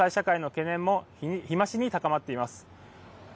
国際社会の懸念も日増しに高まっています。